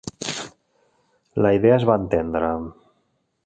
La idea es va entendre.